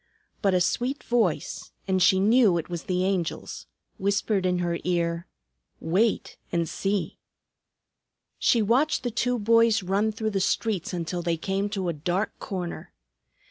But a sweet voice and she knew it was the Angel's whispered in her ear, "Wait and see!" She watched the two boys run through the streets until they came to a dark corner.